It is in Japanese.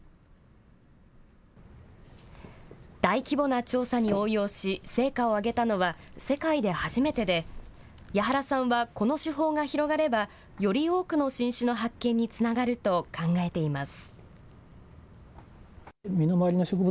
大規模な調査に応用し、成果を上げたのは、世界で初めてで、矢原さんはこの手法が広がれば、より多くの新種の発見につながると考えています。